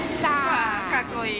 わあかっこいい。